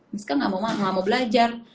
miska gak mau belajar